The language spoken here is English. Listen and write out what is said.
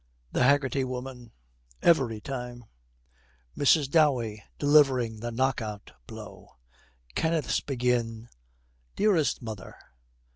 THE HAGGERTY WOMAN. 'Every time.' MRS. DOWEY, delivering the knock out blow, 'Kenneth's begin "Dearest mother.'"